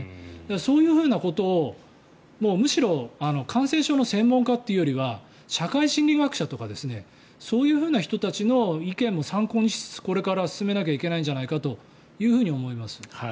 そういうことを、むしろ感染症の専門家というよりは社会心理学者とかそういう人たちの意見も参考にしつつこれから進めないといけないんじゃないかなと思います。